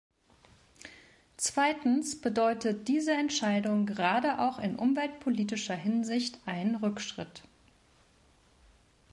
Zweitens bedeutet diese Entscheidung gerade auch in umweltpolitischer Hinsicht einen Rückschritt.